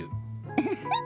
ウフフッ。